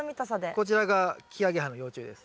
こちらがキアゲハの幼虫です。